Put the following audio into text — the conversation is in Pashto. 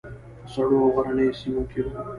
په سړو او غرنیو سیمو کې وو.